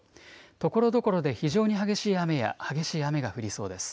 ところどころで非常に激しい雨や激しい雨が降りそうです。